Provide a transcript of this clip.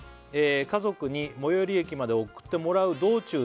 「家族に最寄り駅まで送ってもらう道中で」